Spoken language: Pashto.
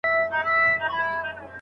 زه چي سترګي روڼي نه کړم نو هيڅ نه وينم .